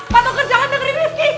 patogar jangan dengerin rizky